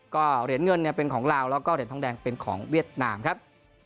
ก็เหรียญเงินเป็นของลาวแล้วก็เหรียญทองแดงเป็นของเวียดนามครับ